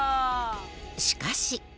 しかし。